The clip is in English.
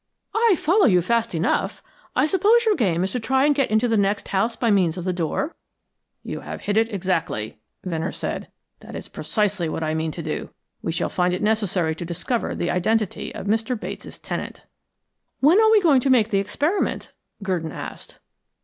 "I follow you fast enough. I suppose your game is to try and get into the next house by means of the door?" "You have hit it exactly," Venner said. "That is precisely what I mean to do. We shall find it necessary to discover the identity of Mr. Bates' tenant." "When are we going to make the experiment?" Gurdon asked.